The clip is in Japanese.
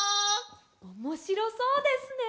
おもしろそうですね！